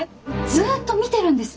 ずっと見てるんです。